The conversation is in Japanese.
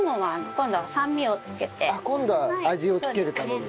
今度は味をつけるために。